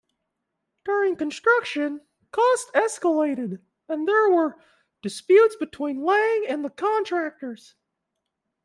During construction, costs escalated, and there were disputes between Laing and the contractors.